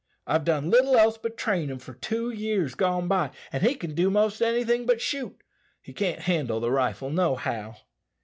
I've done little else but train him for two years gone by, and he can do most anything but shoot he can't handle the rifle nohow."